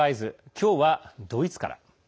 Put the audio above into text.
今日は、ドイツから。